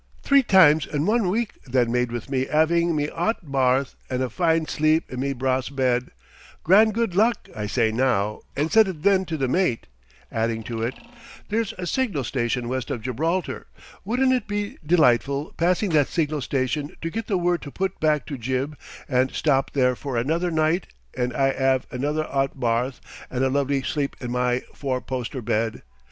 Three times in one week that made with me 'aving me 'ot barth and a fine sleep in me brahss bed grand good luck, I say now, and said it then to the mate, adding to it: 'There's a signal station west of Gibraltar wouldn't it be delightful passing that signal station to get the word to put back to Gib and stop there for another night and I 'ave another 'ot barth and a lovely sleep in my four poster bed.'